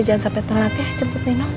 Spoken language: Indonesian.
jangan sampai terlalu latih cepat nino